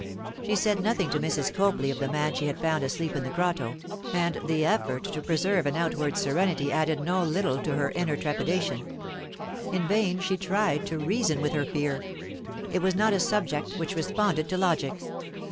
She said nothing to Mrs. Copley of the man she had found asleep in the grotto, and the effort to preserve an outward serenity added no little to her inner trepidation. In vain she tried to reason with her fear; it was not a subject which responded to logic.